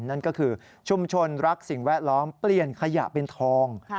นั่นก็คือชุมชนรักสิ่งแวดล้อมเปลี่ยนขยะเป็นทอง